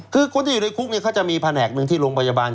คือคนที่อยู่ในคุกเขาจะมีแผนกหนึ่งที่โรงพยาบาล